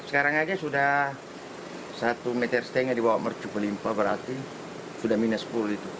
sekarang saja sudah satu meter setengah di bawah mercupelimpa berarti sudah minus sepuluh itu